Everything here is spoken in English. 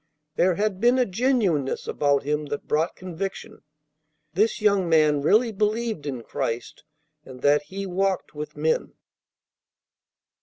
There had been a genuineness about him that brought conviction. This young man really believed in Christ and that He walked with men.